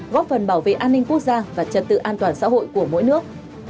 góp phần bảo vệ an ninh quốc gia và trật tự an toàn xã hội của mỗi nước